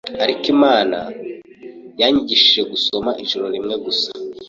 ariko Imana yanyigishije gusoma ijoro rimwe gusa